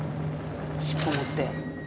尻尾持って。